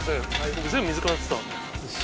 僕全部水からやってた。